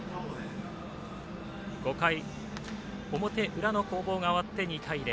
５回表、裏の攻防が終わって２対０。